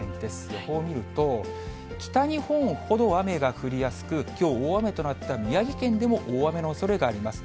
予報見ると、北日本ほど雨が降りやすく、きょう、大雨となった宮城県でも大雨のおそれがあります。